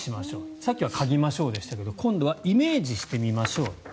さっきは嗅ぎましょうでしたが今度はイメージしてみましょう。